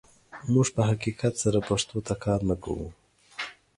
موږ په حقیقت سره پښتو ته کار نه کوو.